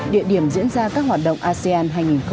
địa điểm diễn ra các hoạt động asean